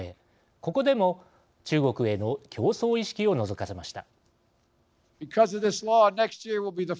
ここでも中国への競争意識をのぞかせました。